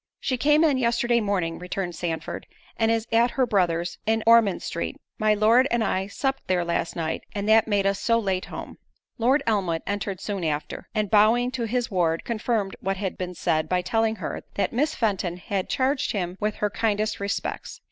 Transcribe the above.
"She came yesterday morning," returned Sandford, "and is at her brother's, in Ormond street; my Lord and I supped there last night, and that made us so late home." Lord Elmwood entered soon after, and bowing to his ward, confirmed what had been said, by telling her, that "Miss Fenton had charged him with her kindest respects."